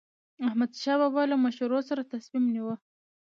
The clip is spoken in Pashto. احمدشاه بابا به له مشورو سره تصمیم نیوه.